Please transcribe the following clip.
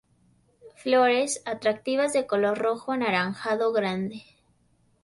Flores, atractivas de color rojo anaranjado grande.